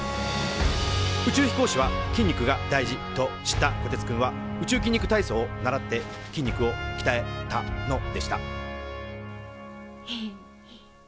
宇宙飛行士は筋肉が大事と知ったこてつくんは宇宙筋肉体操を習って筋肉をきたえたのでしたヘヘッ。